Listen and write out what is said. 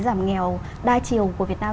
giảm nghèo đa chiều của việt nam